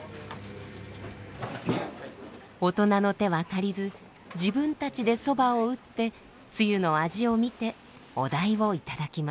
大人の手は借りず自分たちでそばを打ってつゆの味を見てお代を頂きます。